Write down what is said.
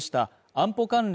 安保関連